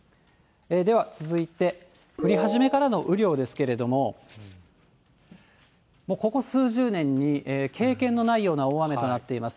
では続いて降り始めからの雨量ですけれども、もうここ数十年に経験のないような大雨となっています。